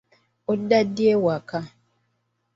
Odda ddi ewaka?